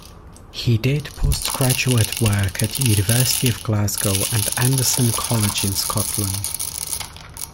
He did postgraduate work at University of Glasgow and Anderson College in Scotland.